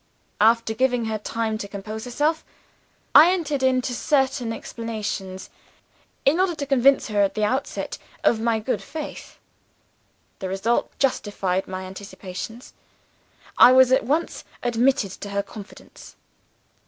After giving her time to compose herself, I entered into certain explanations, in order to convince her at the outset of my good faith. The result justified my anticipations. I was at once admitted to her confidence.